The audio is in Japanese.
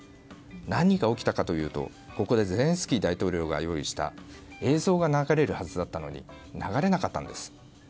何が起きたかというと、ここでゼレンスキー大統領が用意した映像が流れるはずだったのに流れなかったのです。